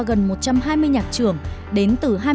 gần một trăm hai mươi nhạc trưởng đến từ